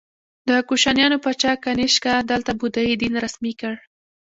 د کوشانیانو پاچا کنیشکا دلته بودايي دین رسمي کړ